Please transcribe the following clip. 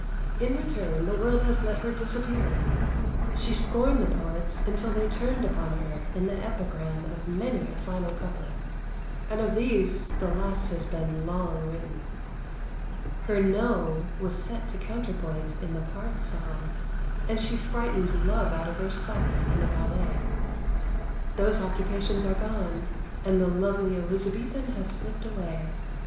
In return, the world has let her disappear. She scorned the poets until they turned upon her in the epigram of many a final couplet; and of these the last has been long written. Her "No" was set to counterpoint in the part song, and she frightened Love out of her sight in a ballet. Those occupations are gone, and the lovely Elizabethan has slipped away.